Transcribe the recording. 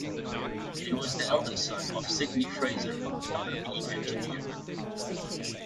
He was the elder son of Sydney Fraser, a marine engineer.